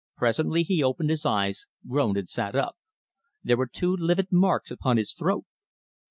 Presently he opened his eyes, groaned and sat up. There were two livid marks upon his throat.